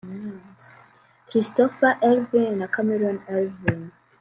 Christopher Ervin na Cameron Ervin